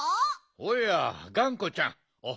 おやがんこちゃんおはよう。